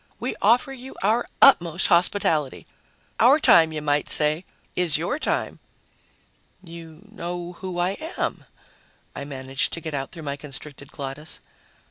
We offer you our utmost hospitality. Our time, you might say, is your time." "You know who I am," I managed to get out through my constricted glottis.